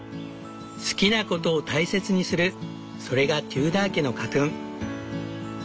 好きなことを大切にするそれがテューダー家の家訓。